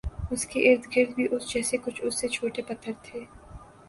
اس کے ارد گرد بھی اس جیسے کچھ اس سے چھوٹے پتھر ہیں